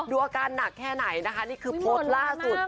ดูอาการหนักแค่ไหนนะคะ